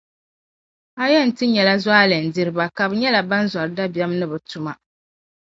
A yɛn ti nyɛla zualindiriba ka bɛ nyɛla ban zɔri dabiεm ni bɛ tuma.